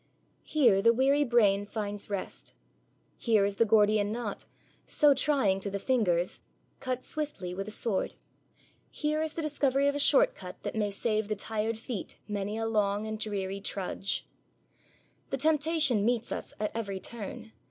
Here the weary brain finds rest. Here is the Gordian knot, so trying to the fingers, cut swiftly with a sword. Here is the discovery of a short cut that may save the tired feet many a long and dreary trudge. The temptation meets us at every turn.